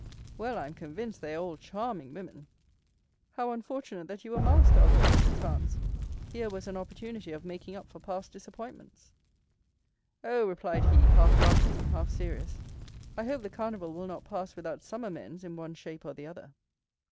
"Well, I am convinced they are all charming women." "How unfortunate that you were masked, Albert," said Franz; "here was an opportunity of making up for past disappointments." "Oh," replied he, half laughing, half serious; "I hope the Carnival will not pass without some amends in one shape or the other."